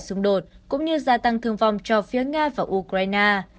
xung đột cũng như gia tăng thương vong cho phía nga và ukraine